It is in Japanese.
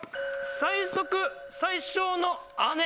「最速最小の姉」。